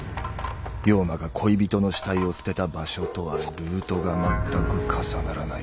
陽馬が恋人の死体を捨てた場所とはルートが全く重ならない。